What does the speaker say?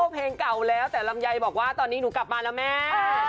เพลงเก่าแล้วแต่ลำไยบอกว่าตอนนี้หนูกลับมาแล้วแม่